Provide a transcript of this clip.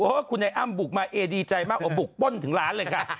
โอ้โฮคุณไอ้อ้ำบุกมาเอ๊ดีใจมากบุกป้นถึงล้านเลยค่ะ